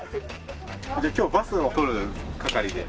今日バスを撮る係で。